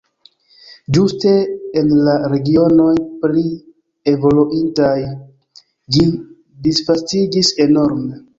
Ĝuste en la regionoj pli evoluintaj ĝi disvastiĝis enorme.